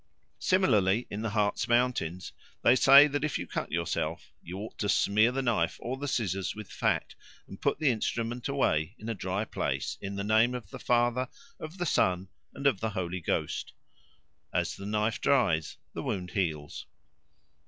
Similarly in the Harz Mountains they say that if you cut yourself, you ought to smear the knife or the scissors with fat and put the instrument away in a dry place in the name of the Father, of the Son, and of the Holy Ghost. As the knife dries, the wound heals.